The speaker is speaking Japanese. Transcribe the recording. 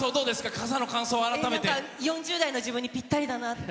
傘の４０代の自分にぴったりだなって。